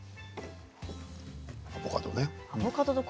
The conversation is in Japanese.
アボカドね。